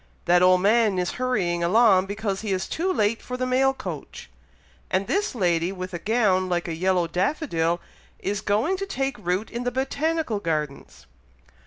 that old man is hurrying along because he is too late for the mail coach; and this lady with a gown like a yellow daffodil, is going to take root in the Botanical Gardens!"